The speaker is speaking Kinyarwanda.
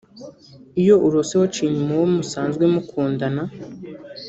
Iyo urose waciye inyuma uwo musanzwe mukundana